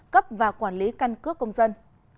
cấp và quản lý căn cước công dân